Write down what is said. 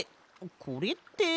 これって。